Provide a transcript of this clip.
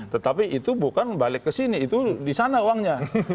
tetapi itu bukan balik ke sini itu di sana uangnya